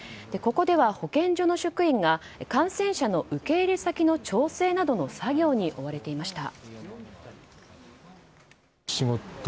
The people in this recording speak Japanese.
ここでは保健所の職員が感染者の受け入れ先の調整などの作業に追われていました。